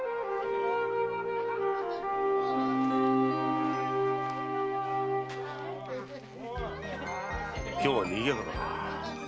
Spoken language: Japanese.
今日はにぎやかだな。